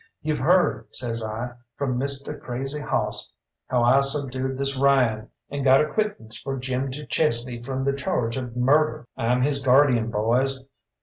"You've heard," says I, "from Misteh Crazy Hoss how I subdued this Ryan and got a quittance for Jim du Chesnay from the charge of murder. I'm his guardian, boys.